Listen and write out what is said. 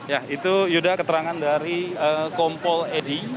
ya itu yuda keterangan dari kompol edi